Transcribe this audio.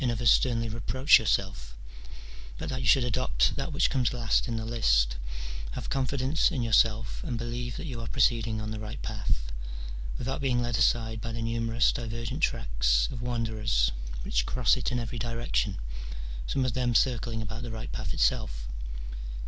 255 others sternly reproacli yoarself , but that you should adopt that which comes last in the list, have confidence in your self, and believe that you are proceeding on the right path, without being led aside by the numerous divergent tracks of wanderers which cross it in every direction, some of them circling about the right path itself.